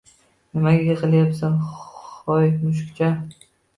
Nimaga yigʻlayapsan, hoy mushukcha